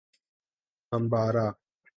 Bambara